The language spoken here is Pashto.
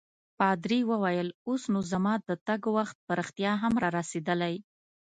پادري وویل: اوس نو زما د تګ وخت په رښتیا هم رارسیدلی.